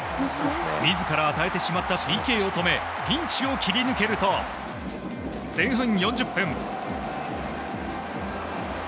自ら与えてしまったＰＫを止めピンチを切り抜けると前半４０分。